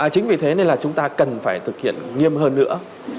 chính vì thế nên là chúng ta cần phải thực hiện nghiêm hơn nữa